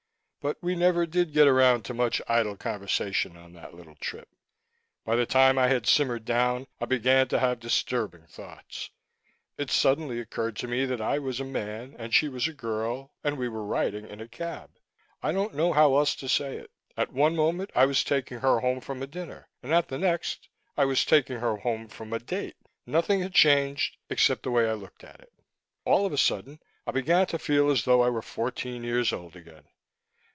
But we never did get around to much idle conversation on that little trip. By the time I had simmered down, I began to have disturbing thoughts. It suddenly occurred to me that I was a man, and she was a girl, and we were riding in a cab. I don't know how else to say it. At one moment I was taking her home from a dinner; and at the next, I was taking her home from a date. Nothing had changed except the way I looked at it. All of a sudden, I began to feel as though I were fourteen years old again.